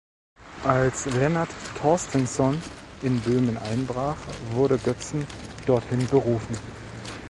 Als Lennart Torstensson in Böhmen einbrach, wurde Götzen dorthin berufen.